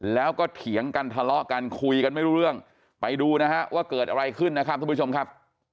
แล้วก็เถียงกันทะเลาะกันคุยกันไม่รู้เรื่องไปดูนะฮะว่าเกิดอะไรขึ้นนะครับทุกผู้ชมครับ